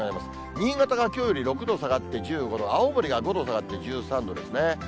新潟がきょうより６度下がって１５度、青森が５度下がって１３度ですね。